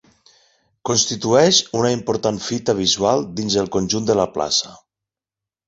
Constitueix una important fita visual dins el conjunt de la plaça.